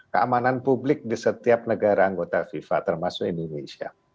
keamanan publik di setiap negara anggota fifa termasuk indonesia